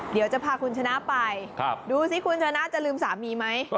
เดี๋ยวจะพาคุณชนะไปดูสิคุณชนะจะลืมสามีไหม